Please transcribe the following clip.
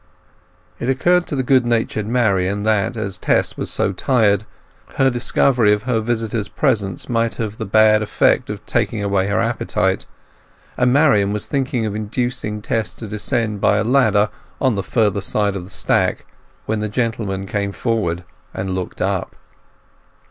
It occurred to the good natured Marian that, as Tess was so tired, her discovery of her visitor's presence might have the bad effect of taking away her appetite; and Marian was thinking of inducing Tess to descend by a ladder on the further side of the stack when the gentleman came forward and looked up.